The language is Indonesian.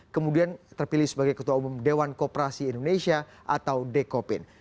kemudian terpilih sebagai ketua umum dewan kooperasi indonesia atau dekopin